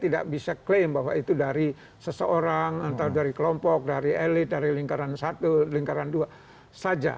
dan bisa klaim bahwa itu dari seseorang atau dari kelompok dari elit dari lingkaran satu lingkaran dua saja